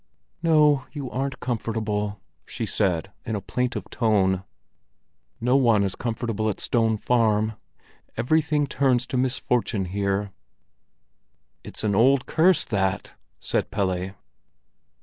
"No, you aren't comfortable," she said, in a plaintive tone. "No one is comfortable at Stone Farm. Everything turns to misfortune here." "It's an old curse, that!" said Pelle.